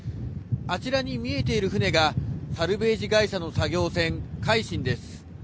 あちらに見えている船が、サルベージ会社の作業船、海進です。